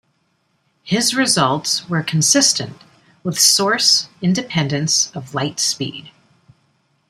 His results were consistent with source independence of light speed.